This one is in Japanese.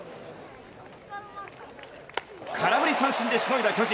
空振り三振でしのいだ巨人。